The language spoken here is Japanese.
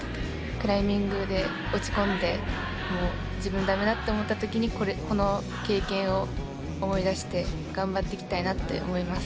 クライミングで落ち込んでもう自分駄目だって思った時にこの経験を思い出して頑張っていきたいなって思います。